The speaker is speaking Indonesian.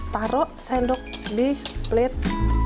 taruh sendok di plate